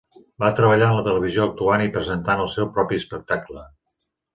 Va treballar en la televisió actuant i presentat el seu propi espectacle.